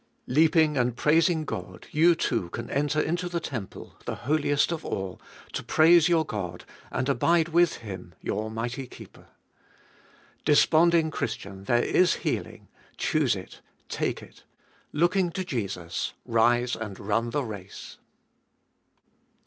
Leaping and praising God, you too can enter into the temple, the Holiest of All, to praise your God, and abide with Him, your mighty Keeper. Despond ing Christian ! there is healing — choose it, take it. Looking to Jesus, rise, and run the race.